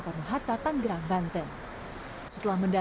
bagi wna dan wni yang datang ke indonesia